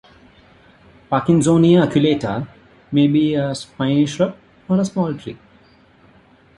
"Parkinsonia aculeata" may be a spiny shrub or a small tree.